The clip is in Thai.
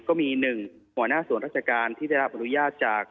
ก็มี๑หัวหน้าส่วนราชการที่ได้รับอนุญาตจาก